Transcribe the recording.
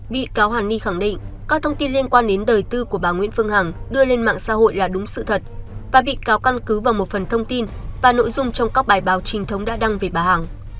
bị cáo hàn ni khẳng định các thông tin liên quan đến đời tư của bà nguyễn phương hằng đưa lên mạng xã hội là đúng sự thật và bị cáo căn cứ vào một phần thông tin và nội dung trong các bài báo trình thống đã đăng về bà hằng